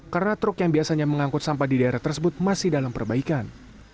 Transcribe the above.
karena truk yang biasanya mengangkut sampah di daerah tersebut masih dalam perbaikan